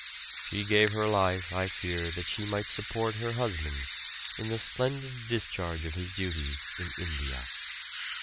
She gave her life, I fear, that she might support her husband in the splendid discharge of his duties in India.